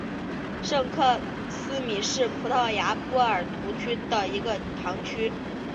圣科斯米是葡萄牙波尔图区的一个堂区。